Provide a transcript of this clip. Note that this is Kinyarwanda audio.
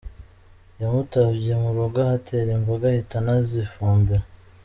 Yamutabye mu rugo ahatera imboga ahita anazifumbira